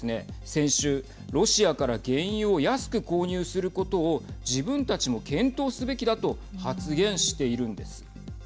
先週、ロシアから原油を安く購入することを自分たちも検討すべきだと発言しているんです。